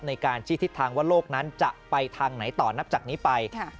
ในการชี้ทิศทางว่าโลกนั้นจะไปทางไหนต่อนับจากนี้ไป